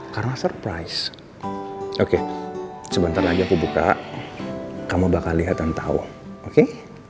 karena surprise oke sebentar lagi aku buka kamu bakal lihat dan tau oke